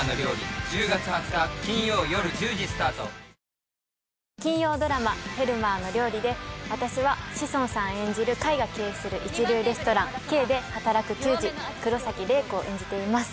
おいしさプラス金曜ドラマ「フェルマーの料理」で私は志尊さん演じる海が経営する一流レストラン「Ｋ」で働く給仕黒崎麗子を演じています